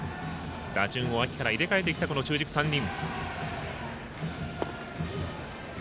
打順を秋から入れ替えてきた中軸３人。